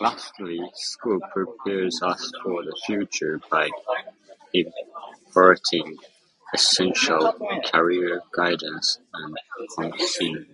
Lastly, school prepares us for the future by imparting essential career guidance and counseling.